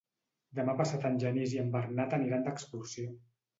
Demà passat en Genís i en Bernat aniran d'excursió.